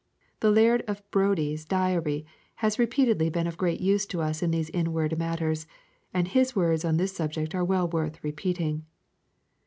The Laird of Brodie's Diary has repeatedly been of great use to us in these inward matters, and his words on this subject are well worth repeating.